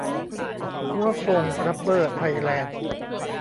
ฮั้วฟง รับเบอร์ ไทยแลนด์